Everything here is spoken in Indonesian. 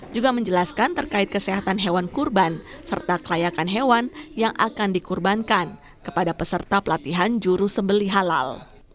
juga menjelaskan terkait kesehatan hewan kurban serta kelayakan hewan yang akan dikurbankan kepada peserta pelatihan juru sembeli halal